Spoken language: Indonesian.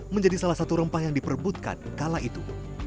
menjadi salah satu rempah yang diperbutkan kala itu